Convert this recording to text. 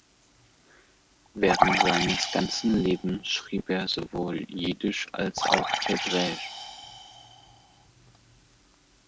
Während seines ganzen Lebens schrieb er sowohl jiddisch als auch hebräisch.